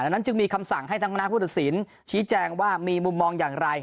นั้นจึงมีคำสั่งให้ทั้งคณะผู้ตัดสินชี้แจงว่ามีมุมมองอย่างไร